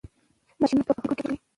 ماشینونه په فابریکو کې کار کوي.